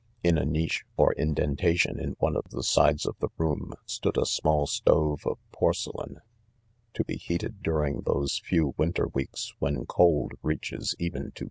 r In' a niche, or^ndentaiioh in rbne of the sides of the room, stood a small stove of porcelain, to :; be heated during tMse'few 5 ' mm^ ter weeks: when' cold 'reaches' m&k \io